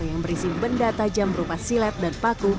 yang berisi benda tajam berupa silet dan paku